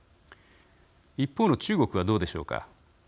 一方の中国は、どうでしょうか。